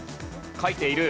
書いている。